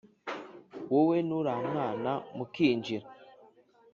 wowe nuramwana mukinjira